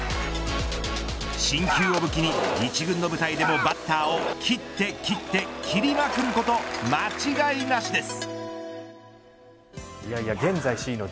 新球を武器に一軍の舞台でもバッターを切って、切って切りまくること間違いなしです。